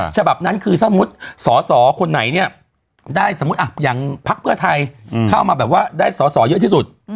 ฉบับนั้นคือสมมุติสอสอคนไหนเนี่ยได้สมมุติอย่างพักเพื่อไทยเข้ามาแบบว่าได้สอสอเยอะที่สุด